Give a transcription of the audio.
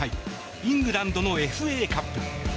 イングランドのＦＡカップ。